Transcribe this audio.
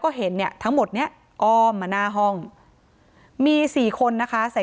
ก็เห็นเนี่ยทั้งหมดเนี้ยอ้อมมาหน้าห้องมีสี่คนนะคะใส่